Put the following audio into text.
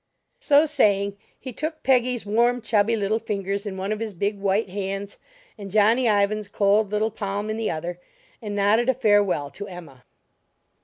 So saying, he took Peggy's warm, chubby little fingers in one of his big white hands and Johnny Ivan's cold little palm in the other, and nodded a farewell to Emma.